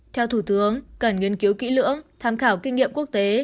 theo thủ tướng cần nghiên cứu kỹ lưỡng tham khảo kinh nghiệm quốc tế